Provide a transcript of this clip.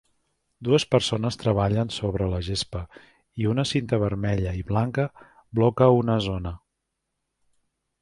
Dues persones treballen sobre la gespa i una cinta vermella i blanca bloca una zona.